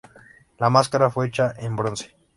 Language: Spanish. La máscara fue hecha en bronce.